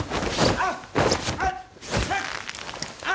あっ。